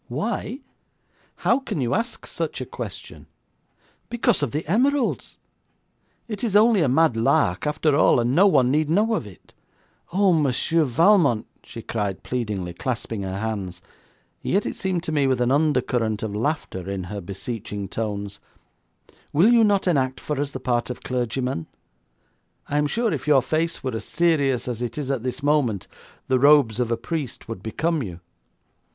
'Why? How can you ask such a question? Because of the emeralds. It is only a mad lark, after all, and no one need know of it. Oh, Monsieur Valmont,' she cried pleadingly, clasping her hands, and yet it seemed to me with an undercurrent of laughter in her beseeching tones, 'will you not enact for us the part of clergyman? I am sure if your face were as serious as it is at this moment, the robes of a priest would become you.'